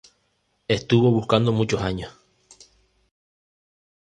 Estuvo buscando muchos años.